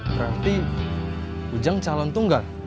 berarti ujang calon tunggal